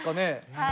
はい。